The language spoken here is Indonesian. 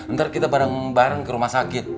ntar kita bareng bareng ke rumah sakit